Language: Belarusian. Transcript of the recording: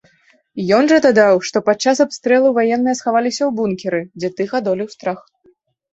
Ён жа дадаў, што падчас абстрэлу ваенныя схаваліся ў бункеры, дзе тых адолеў страх.